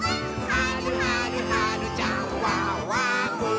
「はるはるはるちゃんワオワオ！」